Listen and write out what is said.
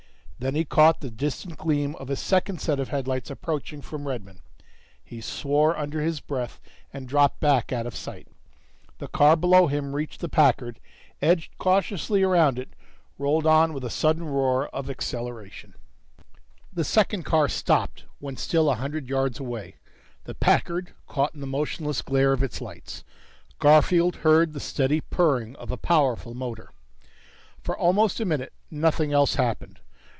Then he caught the distant gleam of a second set of headlights approaching from Redmon. He swore under his breath and dropped back out of sight. The car below him reached the Packard, edged cautiously around it, rolled on with a sudden roar of acceleration. The second car stopped when still a hundred yards away, the Packard caught in the motionless glare of its lights. Garfield heard the steady purring of a powerful motor. For almost a minute, nothing else happened.